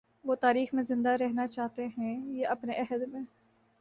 وہ تاریخ میں زندہ رہنا چاہتے ہیں یا اپنے عہد میں؟